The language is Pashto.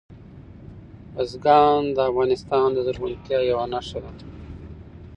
بزګان د افغانستان د زرغونتیا یوه نښه ده.